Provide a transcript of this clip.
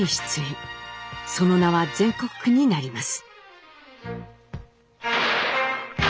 その名は全国区になります。